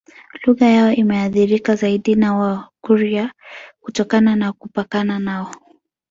Lugha yao imeathirika zaidi na Wakurya kutokana na kupakana nao